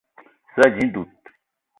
Za ànji dud